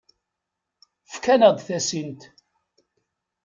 Efk-aneɣ-d tasint.